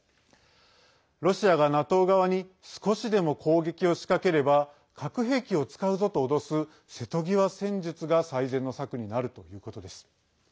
ロシアがＮＡＴＯ側に少しでも攻撃を仕掛ければ核兵器を使うぞと脅す瀬戸際戦術が最善の策になるということです。